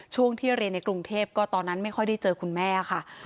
ช่วงที่เรียนในกรุงเทพก็ตอนนั้นไม่ค่อยได้เจอคุณแม่ค่ะ